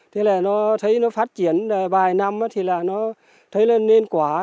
thế là nó thấy nó phát triển vài năm thì là nó thấy là nên quả